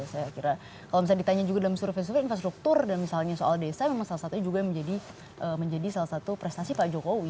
saya kira kalau misalnya ditanya juga dalam survei survei infrastruktur dan misalnya soal desa memang salah satunya juga yang menjadi salah satu prestasi pak jokowi